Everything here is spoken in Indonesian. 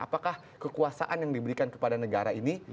apakah kekuasaan yang diberikan kepada negara ini